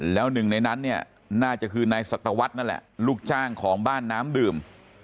แล้วหนึ่งในนั้นเนี่ยน่าจะคือนายสัตวรรษนั่นแหละลูกจ้างของบ้านน้ำดื่ม